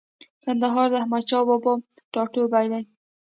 کندهار د احمدشاه بابا ټاټوبۍ دی.